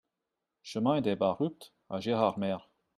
Chemin des Bas Rupts à Gérardmer